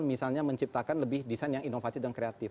misalnya menciptakan lebih desain yang inovatif dan kreatif